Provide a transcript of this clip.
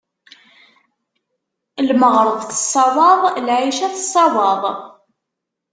Lmeɣreb tessawaḍ, lɛica tessawaḍ.